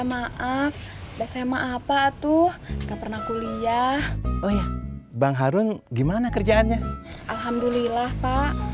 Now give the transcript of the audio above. maaf udah saya maaf pak tuh nggak pernah kuliah oh iya bang harun gimana kerjaannya alhamdulillah pak